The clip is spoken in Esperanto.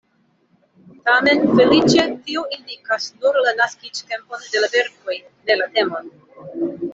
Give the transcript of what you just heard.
Tamen feliĉe tio indikas nur la naskiĝtempon de la verkoj, ne la temon.